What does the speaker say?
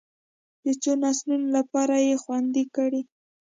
د څو نسلونو لپاره یې خوندي کړي.